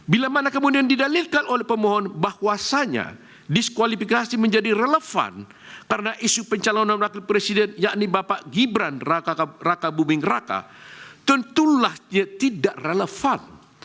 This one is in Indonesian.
bila mana kemudian didalilkan oleh pemohon bahwasannya diskualifikasi menjadi relevan karena isu pencalonan wakil presiden yakni bapak gibran raka buming raka tentulah dia tidak relevan